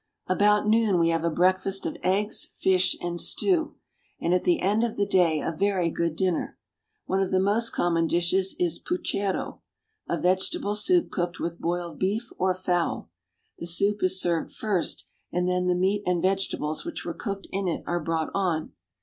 About noon we have a breakfast of eggs, fish, and stew ; and at the end of the day a very good dinner. One of the most common dishes is puchero, a vegetable soup cooked with boiled beef or fowl. The soup is served first, and then the meat and vegetables which were cooked in it are brought on.